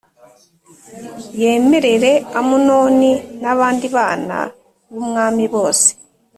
yemerere Amunoni n abandi bana b umwami bose